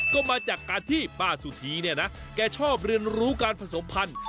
ก็มาจากการที่ป้าสุธีเนี่ยนะแกชอบเรียนรู้การผสมพันธุ์